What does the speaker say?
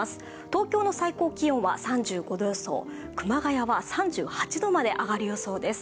東京の最高気温は３５度予想熊谷は３８度まで上がる予想です。